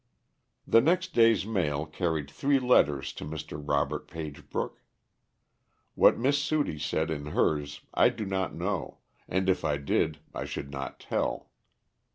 The next day's mail carried three letters to Mr. Robert Pagebrook. What Miss Sudie said in hers I do not know, and if I did I should not tell.